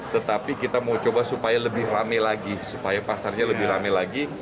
tetapi kita mau coba supaya lebih rame lagi supaya pasarnya lebih rame lagi